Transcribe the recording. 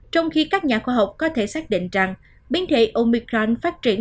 trong khi các nhà khoa học có thể xác định rằng biến thể omicrand phát triển